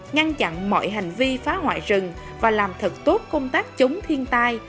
ngăn chặn mọi hành vi phá hoại rừng và làm thật tốt công tác chống thiên tai